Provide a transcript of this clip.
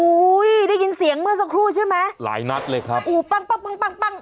ได้ยินเสียงเมื่อสักครู่ใช่ไหมหลายนัดเลยครับโอ้ปั้งปั้งปั้งปั้งปั้ง